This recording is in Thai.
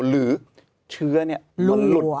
หรือเชื้อนี่มันลุด